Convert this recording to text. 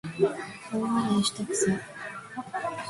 大笑いしたくさ